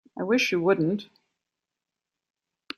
I wish you wouldn't.